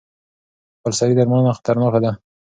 خپلسري درملنه خطرناکه ده.